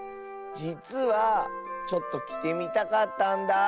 じつはちょっときてみたかったんだ。